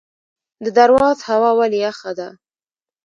د درواز هوا ولې یخه ده؟